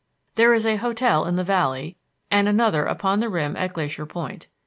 There is a hotel in the Valley, and another upon the rim at Glacier Point.